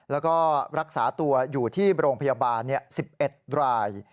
แล้วก็รักษาตัวอยู่ที่โรงพยาบาล๑๑ราย